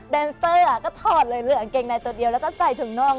เดนเซอร์ก็ถอดเลยเรื่องเกงในตัวเดียวแล้วจะใส่ถึงนอก